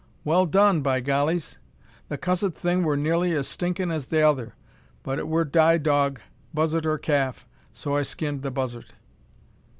well done, by gollies!" "The cussed thing wur nearly as stinkin' as t'other, but it wur die dog buzzart or calf so I skinned the buzzart."